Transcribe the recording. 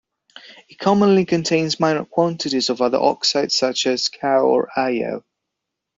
It commonly contains minor quantities of other oxides such as CaO or AlO.